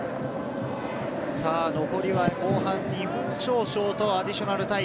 残りは後半２分少々とアディショナルタイム。